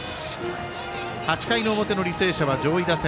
８回の表の履正社は上位打線。